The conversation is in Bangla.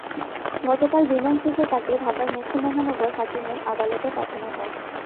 গতকাল রিমান্ড শেষে তাকে ঢাকার মুখ্য মহানগর হাকিমের আদালতে পাঠানো হয়।